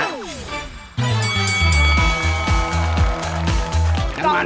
น้ำมันไม่เป็น